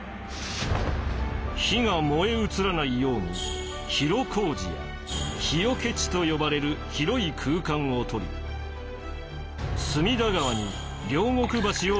火が燃え移らないように広小路や火除け地と呼ばれる広い空間を取り隅田川に両国橋を架けました。